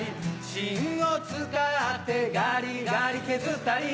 芯を使ってガリガリ削ったり